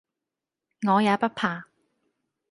我也不怕；